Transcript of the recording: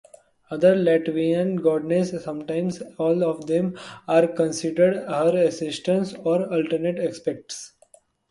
Other Latvian goddesses, sometimes all of them, are considered her assistants, or alternate aspects.